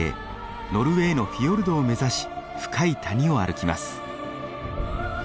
ノルウェーのフィヨルドを目指し深い谷を歩きます。